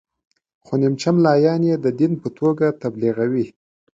خو نیمچه ملایان یې د دین په توګه تبلیغوي.